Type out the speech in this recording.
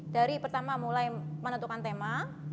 dari pertama mulai menentukan tema